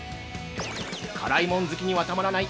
辛いもん好きにはたまらない